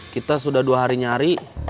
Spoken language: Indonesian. kita sudah dua hari nyari